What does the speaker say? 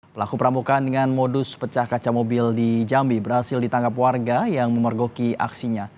pelaku perampokan dengan modus pecah kaca mobil di jambi berhasil ditangkap warga yang memergoki aksinya